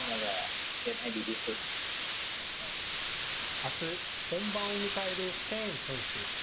あす、本番を迎えるケーン選手。